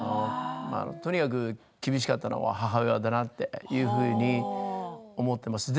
とにかく厳しかったのは母親だというふうに思っていました。